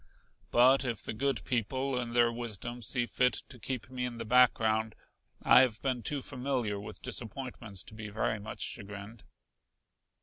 But if the good people in their wisdom see fit to keep me in the background I have been too familiar with disappointments to be very much chagrined."